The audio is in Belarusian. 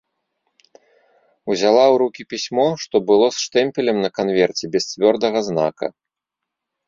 Узяла ў рукі пісьмо, што было з штэмпелем на канверце без цвёрдага знака.